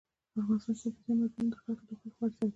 افغانستان کې اوبزین معدنونه د خلکو د خوښې وړ ځای دی.